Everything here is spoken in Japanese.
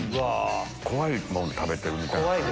怖いもん食べてるみたいな感じ。